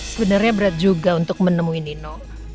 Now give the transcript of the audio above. sebenarnya berat juga untuk menemui nino